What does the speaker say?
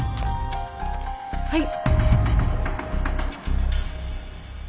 はい。